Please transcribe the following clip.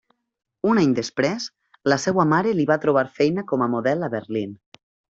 Un any després, la seva mare li va trobar feina com a model a Berlín.